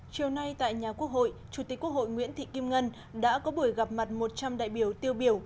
chiều nay tại nhà quốc hội chủ tịch quốc hội nguyễn thị kim ngân đã có buổi gặp mặt một trăm linh đại biểu tiêu biểu